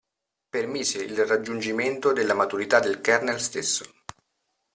Permise il raggiungimento della maturità del kernel stesso.